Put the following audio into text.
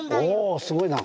おすごいな。